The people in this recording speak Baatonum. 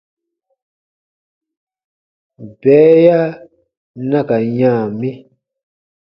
Bɛɛya na ka yã mi.